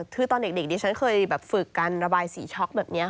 คือตอนเด็กดิฉันเคยแบบฝึกการระบายสีช็อกแบบนี้